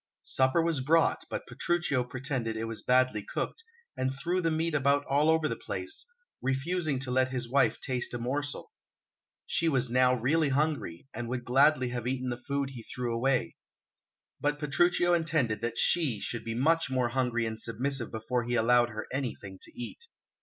Supper was brought, but Petruchio pretended it was badly cooked, and threw the meat about all over the place, refusing to let his wife taste a morsel. She was now really hungry, and would gladly have eaten the food he threw away; but Petruchio intended that she should be much more hungry and submissive before he allowed her anything to eat.